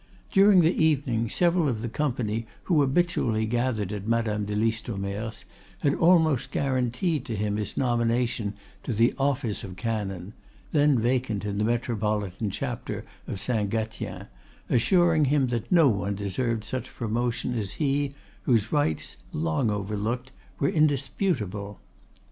During the evening several of the company who habitually gathered at Madame de Listomere's had almost guaranteed to him his nomination to the office of canon (then vacant in the metropolitan Chapter of Saint Gatien), assuring him that no one deserved such promotion as he, whose rights, long overlooked, were indisputable.